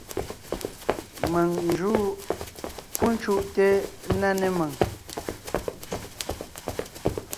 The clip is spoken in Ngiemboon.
Mèŋ n jǔʼ. Pú cúʼte ńná né mèŋ.